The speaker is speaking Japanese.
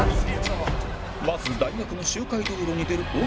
まず大学の周回道路に出る尾形